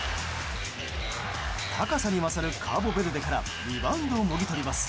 高さに勝るカーボベルデからリバウンドをもぎ取ります。